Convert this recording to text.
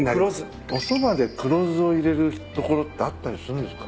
おそばで黒酢を入れる所ってあったりするんですか？